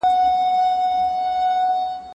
ما ستا په پښتو ليکدود کي یو ګټور بدلون راوستی.